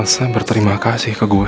tidak muncul kerja